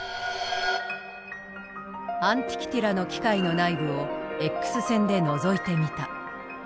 アンティキティラの機械の内部をＸ線でのぞいてみた。